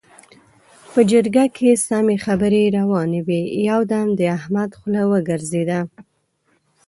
په جرګه کې سمې خبرې روانې وې؛ يو دم د احمد خوله وګرځېده.